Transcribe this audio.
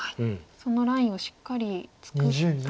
そのラインをしっかり作って。